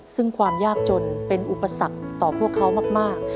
ซึ่งความยากจนเป็นอุปสรรคต่อพวกเขามาก